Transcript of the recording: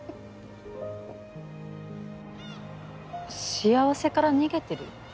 幸せから逃げてる？